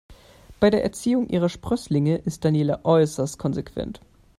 Bei der Erziehung ihrer Sprösslinge ist Daniela äußerst konsequent.